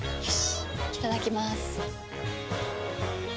いただきまーす。